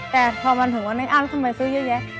แต่พอมาถึงวันนี้อ้ำทำไมซื้อเยอะแยะ